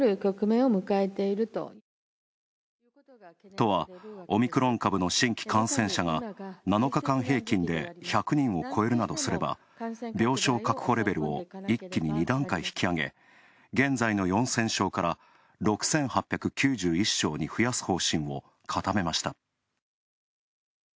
都は、オミクロン株の新規感染者が７日間平均で１００人を越えるなどすれば、病床確保レベルを一気に二段階、引き上げ現在の４０００床から６８９１床に増やす方針をかためました。